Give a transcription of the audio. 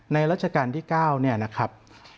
ในราชการที่๙นี่นะครับ